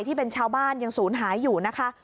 ที่เป็นชาวบ้านยังศูนย์หายอยู่นะคะ